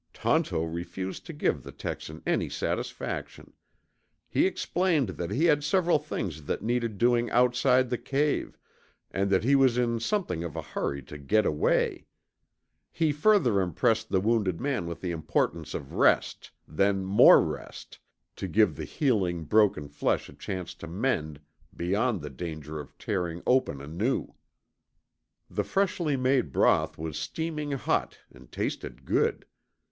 Tonto refused to give the Texan any satisfaction. He explained that he had several things that needed doing outside the cave, and that he was in something of a hurry to get away. He further impressed the wounded man with the importance of rest, then more rest, to give the healing broken flesh a chance to mend beyond the danger of tearing open anew. The freshly made broth was steaming hot and tasted good.